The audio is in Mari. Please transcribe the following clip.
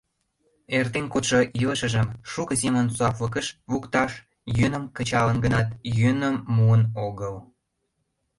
Эртен кодшо илышыжым шуко семын суаплыкыш лукташ йӧным кычалын гынат, йӧным муым огыл.